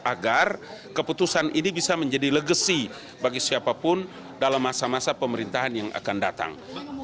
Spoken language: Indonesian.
agar keputusan ini bisa menjadi legacy bagi siapapun dalam masa masa pemerintahan yang akan datang